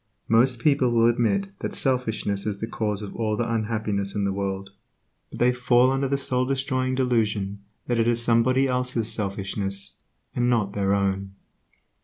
Most people will admit that selfishness is the cause of all the unhappiness in the world, but they fall under the soul destroying delusion that it is somebody else's selfishness, and not their own.